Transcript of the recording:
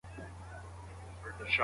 که ولور واجب وګڼل سي ستونزې به حل سي.